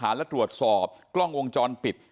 อันนี้แม่งอียางเนี่ย